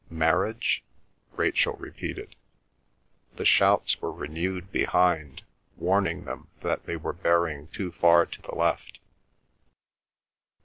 "Marriage?" Rachel repeated. The shouts were renewed behind, warning them that they were bearing too far to the left.